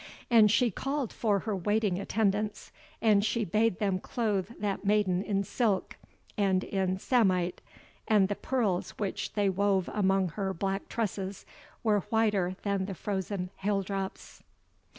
And she called for her waiting attendants, and she bade them clothe that maiden in silk, and in samite; and the pearls which they wove among her black tresses, were whiter than the frozen hail drops.